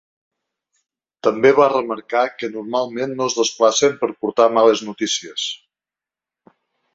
També va remarcar que ‘normalment no es desplacen per portar males notícies’.